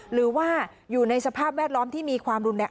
หรือว่าอยู่ในสภาพแวดล้อมที่มีความรุนแรง